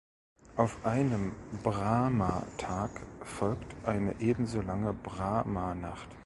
Auf einen Brahma-Tag folgt eine ebenso lange Brahma-Nacht.